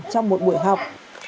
trong một buổi học